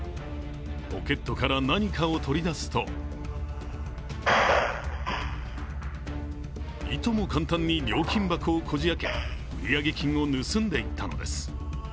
ポケットから何かを取り出すといとも簡単に料金箱をこじ開け売上金を盗んでいったのです。